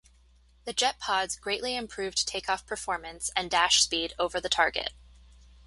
The jet pods greatly improved takeoff performance and dash speed over the target.